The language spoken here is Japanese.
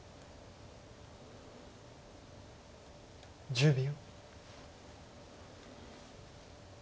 １０秒。